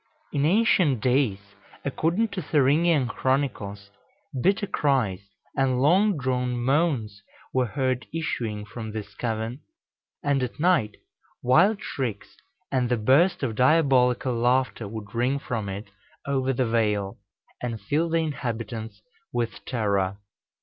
In ancient days, according to the Thüringian Chronicles, bitter cries and long drawn moans were heard issuing from this cavern; and at night, wild shrieks and the burst of diabolical laughter would ring from it over the vale, and fill the inhabitants with terror.